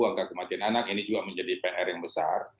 angka kematian anak ini juga menjadi pr yang besar